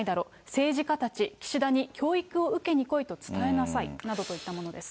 政治家たち、岸田に教育を受けに来いと伝えなさいなどといったものです。